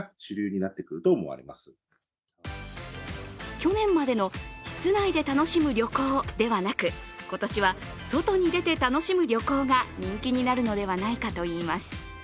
去年までの室内で楽しむ旅行ではなく、今年は、外に出て楽しむ旅行が人気になるのではないかといいます。